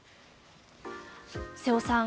瀬尾さん